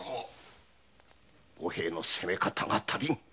五平の責め方が足りん。